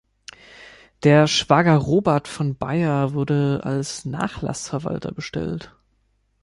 Der Schwager Robert von Bayer wurde als Nachlassverwalter bestellt.